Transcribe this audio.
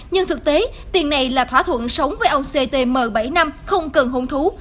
nhưng thực tế tiền này là thỏa thuận sống với ông ctm bảy năm không cần hôn thú